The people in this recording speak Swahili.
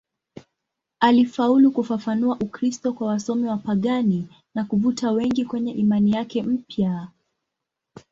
Alifaulu kufafanua Ukristo kwa wasomi wapagani na kuvuta wengi kwenye imani yake mpya.